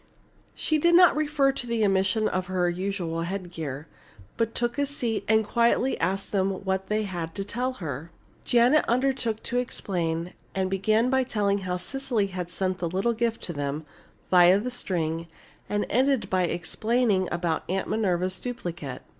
She did not refer to the omission of her usual headgear, but took a seat and quietly asked them what they had to tell her. Janet undertook to explain, and began by telling how Cecily had sent the little gift to them, via the string, and ended by explaining about Aunt Minerva's duplicate.